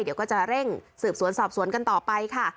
เดี๋ยวก็จะเร่งสืบสวนสอบสวนกันต่อไปค่ะ